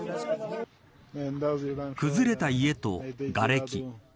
崩れた家とがれき。